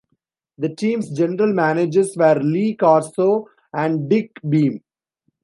The team's general managers were Lee Corso and Dick Beam.